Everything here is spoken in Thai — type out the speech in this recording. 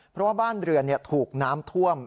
เพราะว่าบ้านเรือนถูกน้ำท่วม